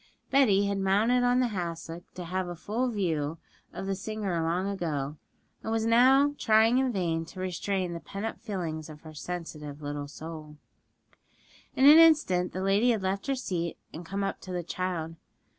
Betty had mounted on the hassock to have a full view of the singer long ago, and was now trying in vain to restrain the pent up feelings of her sensitive little soul. In an instant the lady had left her seat and come up to the child.